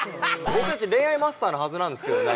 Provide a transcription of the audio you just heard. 僕たち恋愛マスターのはずなんですけどね。